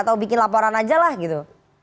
atau bikin laporan aja lah gitu